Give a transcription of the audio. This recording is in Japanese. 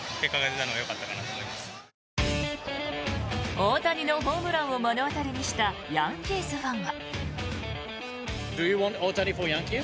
大谷のホームランを目の当たりにしたヤンキースファンは。